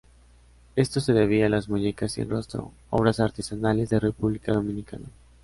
Esto se debía a las muñecas sin rostro, obras artesanales de República Dominicana.